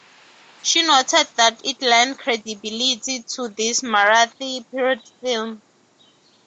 She noted that it lent credibility to this Marathi period film.